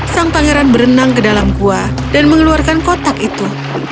sang pangeran berenang ke dalam gua dan mengeluarkan kotak itu